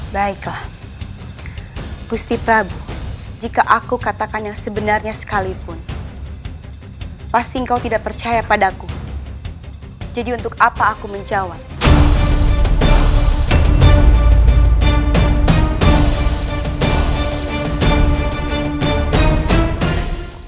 baiklah gusti prabu jika aku katakan yang sebenarnya sekalipun pasti kau tidak percaya padaku jadi untuk apa aku menjawab